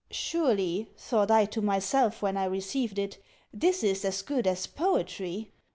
Surely, thought I to myself when I received it, this is as good as poetry!